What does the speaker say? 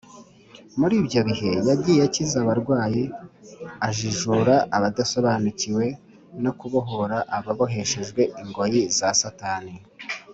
. Muri ibyo bihe yagiye akiza abarwayi, ajijura abadasobanukiwe, no kubohora ababoheshejwe ingoyi za Satani.